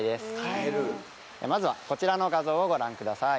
まずはこちらの画像をご覧ください。